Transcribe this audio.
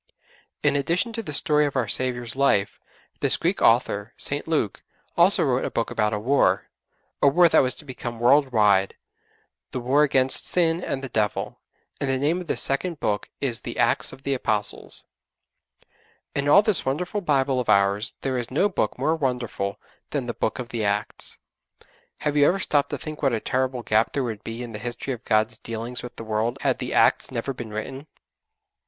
In addition to the story of our Saviour's life this Greek author, St. Luke, also wrote a book about a war a war that was to become world wide the war against sin and the Devil, and the name of this second book is the 'Acts of the Apostles.' In all this wonderful Bible of ours there is no Book more wonderful than the 'Book of the Acts.' Have you ever stopped to think what a terrible gap there would be in the history of God's dealings with the world had the 'Acts' never been written?